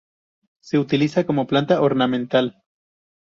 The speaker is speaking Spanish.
Se utiliza como planta ornamental.